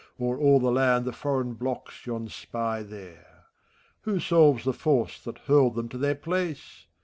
O'er all the land the foreign blocks yon spy there ; Who solves the force that hurled them to their place?